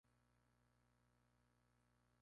Los lagartos son el reptil más común en Catar.